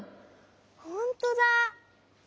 ほんとだ！